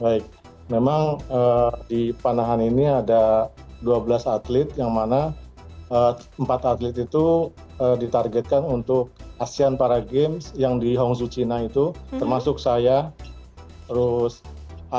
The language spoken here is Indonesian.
baik memang di panahan ini ada dua belas atlet yang mana empat atlet itu ditargetkan untuk asean para games yang di hongshu china itu termasuk saya terus ali sama ken dan mahdal